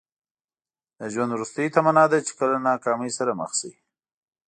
د ژوند وروستۍ تمنا ده چې کله ناکامۍ سره مخ شئ.